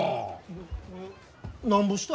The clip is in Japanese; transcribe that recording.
ななんぼした？